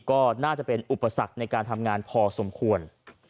ก็น่าจะเป็นอุปสรรคในการทำงานพอสมควร